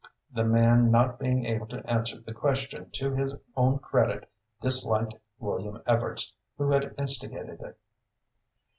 The man not being able to answer the question to his own credit, disliked William Evarts who had instigated it.